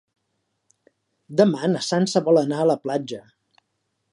Demà na Sança vol anar a la platja.